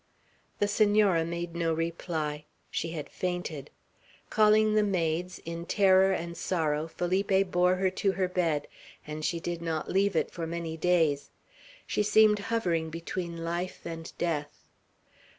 The Senora made no reply. She had fainted. Calling the maids, in terror and sorrow Felipe bore her to her bed, and she did not leave it for many days. She seemed hovering between life and death.